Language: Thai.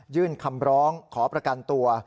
ยื่นคำร้องขอประกันตัว